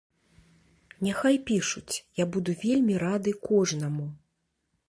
Няхай пішуць, я буду вельмі рады кожнаму.